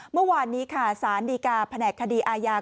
เมื่อวานนี้ค่ะสารดีกาแผนกคดีอาญา